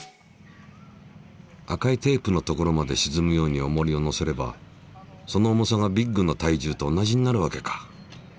赤いテープの所までしずむようにおもりをのせればその重さがビッグの体重と同じになるわけか。